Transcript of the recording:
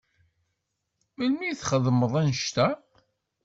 Melmi i txedmeḍ annect-a?